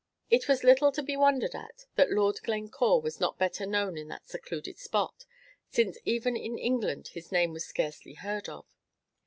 It was little to be wondered at that Lord Glencore was not better known in that secluded spot, since even in England his name was scarcely heard of.